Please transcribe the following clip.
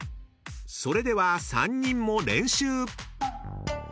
［それでは３人も練習］